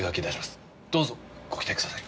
どうぞご期待ください。